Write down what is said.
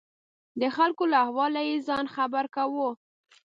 د خلکو له احواله یې ځان خبر کاوه.